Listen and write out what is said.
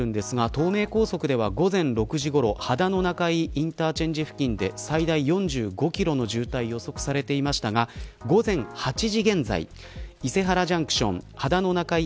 東名高速では午前６時ごろ秦野中井インターチェンジ付近で最大４５キロの渋滞が予測されていましたが午前８時現在伊勢原ジャンクション秦野中井